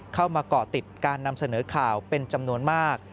เกาะติดการนำเสนอข่าวเป็นจำนวนมาก